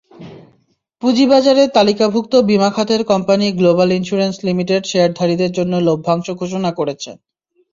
পুঁজিবাজারে তালিকাভুক্ত বিমা খাতের কোম্পানি গ্লোবাল ইনস্যুরেন্স লিমিটেড শেয়ারধারীদের জন্য লভ্যাংশ ঘোষণা করেছে।